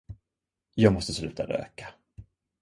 Jag måste sluta röka.